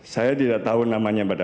saya tidak tahu namanya pada